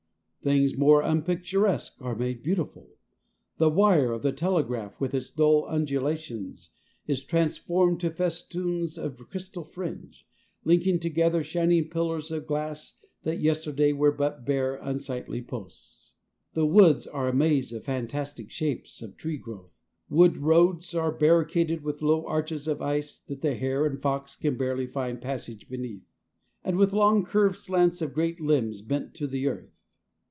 Things most unpicturesque are made beautiful. The wire of the telegraph with its dull undulations is transformed to festoons of crystal fringe, linking together shining pillars of glass that yesterday were but bare, unsightly posts. The woods are a maze of fantastic shapes of tree growth. Wood roads are barricaded with low arches of ice that the hare and the fox can barely find passage beneath, and with long, curved slants of great limbs bent to the earth.